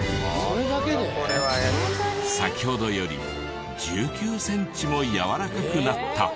先ほどより１９センチもやわらかくなった。